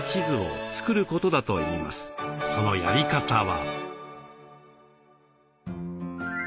そのやり方は？